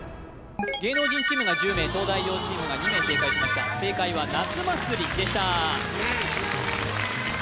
芸能人チームが１０名東大王チームが２名正解しました正解は「夏祭り」でした